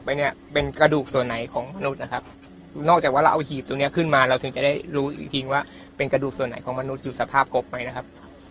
ประเมิดแล้วการนำหีบขึ้นมาจากน้ำเนี่ยน่าจะใช้เวลาเท่าไหร่ครับ